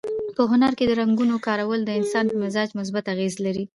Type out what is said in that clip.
په هنر کې د رنګونو کارول د انسان په مزاج مثبت اغېز لري.